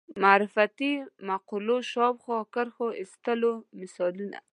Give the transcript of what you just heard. معرفتي مقولو شاوخوا کرښو ایستلو مثالونه